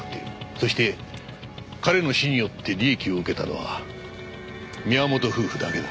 そして彼の死によって利益を受けたのは宮本夫婦だけだ。